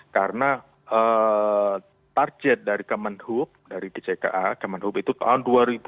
karena target dari kemenhub dari dcka kemenhub itu tahun dua ribu dua puluh lima